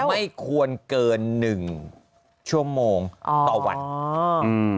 ไม่ควรเกิน๑ชั่วโมงต่อวัน